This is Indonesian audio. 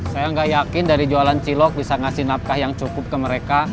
saya nggak yakin dari jualan cilok bisa ngasih nafkah yang cukup ke mereka